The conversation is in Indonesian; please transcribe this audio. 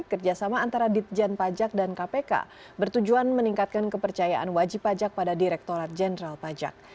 kerjasama antara ditjen pajak dan kpk bertujuan meningkatkan kepercayaan wajib pajak pada direktorat jenderal pajak